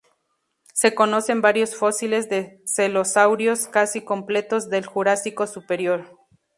Se conocen varios fósiles de celurosaurios casi completos del Jurásico Superior.